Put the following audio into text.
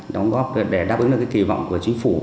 đóng góp để đáp ứng được kỳ vọng của chính phủ